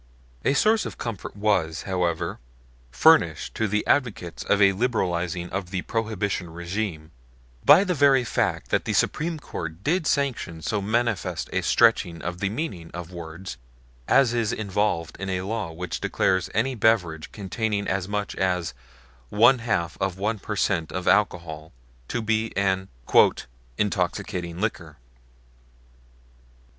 A source of comfort was, however, furnished to advocates of a liberalizing of the Prohibition regime by the very fact that the Supreme Court did sanction so manifest a stretching of the meaning of words as is involved in a law which declares any beverage containing as much as one half of one per cent. of alcohol to be an "intoxicating liquor."